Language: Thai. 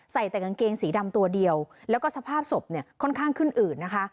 ใส่แต่กางเกงสีดำตัวเดียวแล้วก็สภาพศพเนี่ยค่อนข้างขึ้นอืดนะคะ